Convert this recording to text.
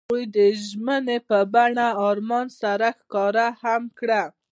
هغوی د ژمنې په بڼه آرمان سره ښکاره هم کړه.